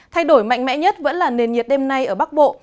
thay đổi mạnh mẽ nhất vẫn là nền nhiệt đêm nay ở bắc bộ